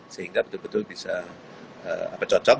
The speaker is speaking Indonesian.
sehingga betul betul bisa cocok